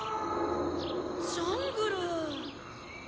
ジャングル。